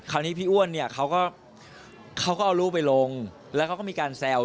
คราวนี้พี่อ้วนเขาก็เอารูปไปลงแล้วก็มีการแซว